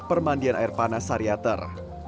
permandian air panas sariater